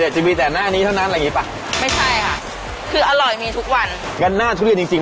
จริงได้วันละแสนเลยหรอ